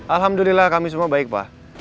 alhamdulillah kami semua baik pak